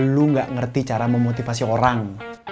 lu gak ngerti cara memotivasi orang